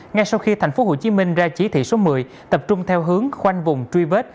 ngay sau khi thành phố hồ chí minh ra chỉ thị số một mươi tập trung theo hướng khoanh vùng truy vết